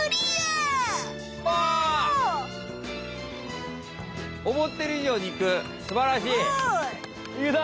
すばらしい。